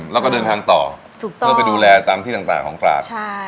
แล้วก็เดินทางต่อเพื่อไปดูแลตามที่ต่างของตราด